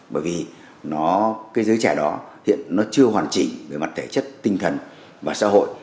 bởi vì giới trẻ đó hiện chưa hoàn chỉnh về mặt thể chất tinh thần và xã hội